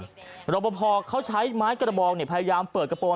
รอปภเขาใช้ไม้กระบองพยายามเปิดกระโปรง